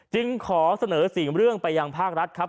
จึงขอเสนอ๔เรื่องไปยังภาครัฐครับ